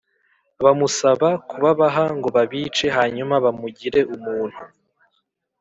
bamusaba kubabaha ngo babice hanyuma bamugire umuntu